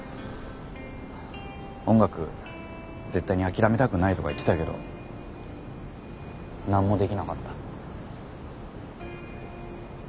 音楽絶対に諦めたくないとか言ってたけど何もできなかった。